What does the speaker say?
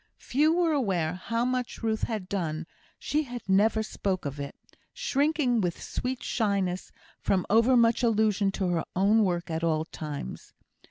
Few were aware how much Ruth had done; she never spoke of it, shrinking with sweet shyness from over much allusion to her own work at all times.